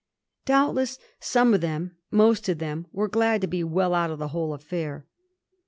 Doubtless some of them, most of them, were glad to be well out of the whole affair.